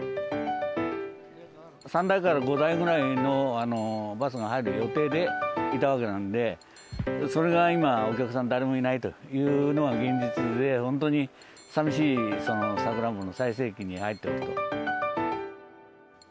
３台から５台ぐらいのバスが入る予定でいたわけなんで、それが今、お客さん誰もいないというのが現実で、本当にさみしいさくらんぼの最盛期に入っておると。